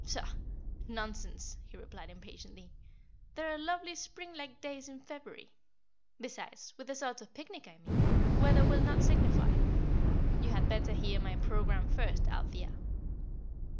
"Pshaw! nonsense!" he replied, impatiently. "There are lovely spring like days in February. Besides, with the sort of picnic I mean, weather will not signify. You had better hear my programme first, Althea."